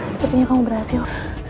sepertinya kamu berhasil